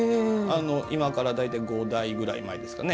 今から、大体５代ぐらい前ですかね。